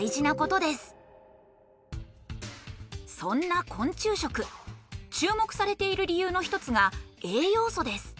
そんな昆虫食注目されている理由の１つが栄養素です。